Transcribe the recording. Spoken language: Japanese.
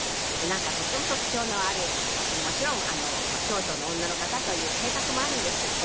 なんかとても特徴のあるもちろん京都の女の方という性格もあるんですけど。